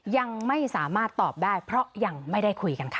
ยังไม่สามารถตอบได้เพราะยังไม่ได้คุยกันค่ะ